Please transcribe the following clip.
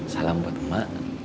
salam buat emak